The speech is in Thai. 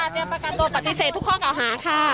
พี่เตรียมค่ะเตรียมประกันตัวปฏิเสธทุกข้อเก่าหาค่ะ